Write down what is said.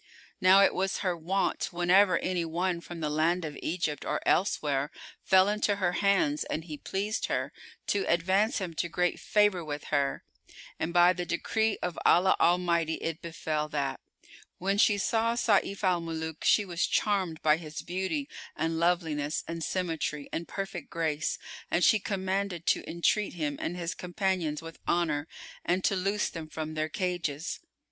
Now it was her wont, whenever any one from the land of Egypt or elsewhere fell into her hands and he pleased her, to advance him to great favour with her; and by the decree of Allah Almighty it befel that, when she saw Sayf al Muluk she was charmed by his beauty and loveliness and symmetry and perfect grace, and she commanded to entreat him and his companions with honour and to loose them from their cages.